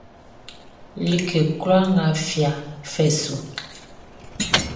Like kloi nʼga fia fai su.